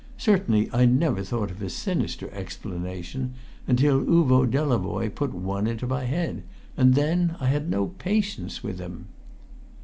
Certainly I never thought of a sinister explanation until Uvo Delavoye put one into my head, and then I had no patience with him.